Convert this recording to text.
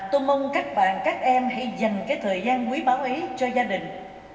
tôi mong các bạn các em hãy dành thời gian quý báo ý cho gia đình